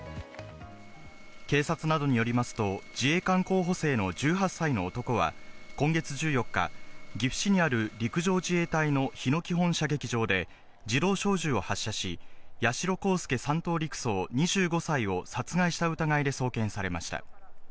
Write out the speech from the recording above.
警察などによりますと、自衛官候補生の１８歳の男は今月１４日、岐阜市にある陸上自衛隊の日野基本射撃場で自動小銃を発射し、八代航佑３等陸曹、２５歳を殺害した疑いで送検されました。